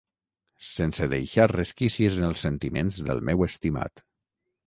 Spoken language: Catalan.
Sense deixar resquícies en els sentiments del meu estimat.